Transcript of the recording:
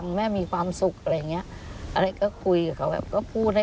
แล้วจะคุยกันคุยกันทุกวัน